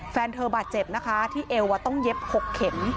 แฟนเธอบาดเจ็บนะคะที่เอวต้องเย็บ๖เข็ม